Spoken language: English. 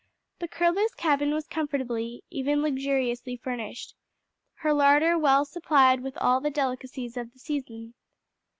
The Curlew's cabin was comfortably, even luxuriously furnished, her larder well supplied with all the delicacies of the season.